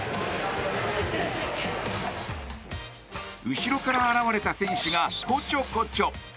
後ろから現れた選手がこちょこちょ。